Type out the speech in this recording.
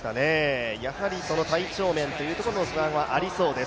やはりその体調面というところの不安はありそうです。